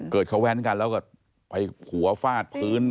เขาแว้นกันแล้วก็ไปหัวฟาดพื้น